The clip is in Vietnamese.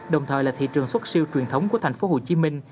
đồng thời là thị trường xuất siêu truyền thống của tp hcm